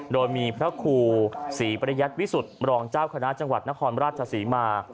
โดยมีพระครูศรีปริยัติวิสุทธิ์มรองเจ้าคณะจังหวัดนครราชศรีมา